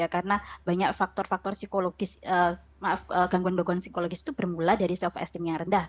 karena banyak gangguan psikologis itu bermula dari self esteem yang rendah